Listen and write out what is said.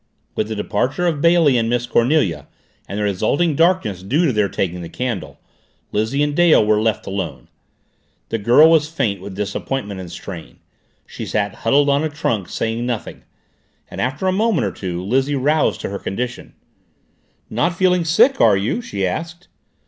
With the departure of Bailey and Miss Cornelia, and the resulting darkness due to their taking the candle, Lizzie and Dale were left alone. The girl was faint with disappointment and strain; she sat huddled on a trunk, saying nothing, and after a moment or so Lizzie roused to her condition. "Not feeling sick, are you?" she asked.